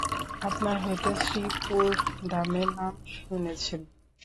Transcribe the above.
আপনার হয়তো শ্রীপুরধামের নাম শুনেছেন?